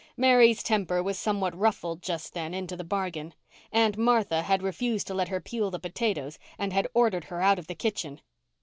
Mary's temper was somewhat ruffled just then, into the bargain. Aunt Martha had refused to let her peel the potatoes and had ordered her out of the kitchen.